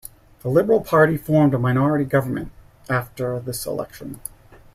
The Liberal Party formed a minority government after this election.